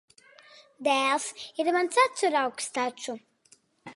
Dēls ir mans acuraugs taču.